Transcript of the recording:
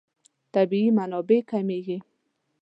طبیعي منابع کمېږي.